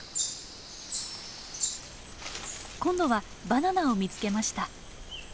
今度はバナナを見つけました。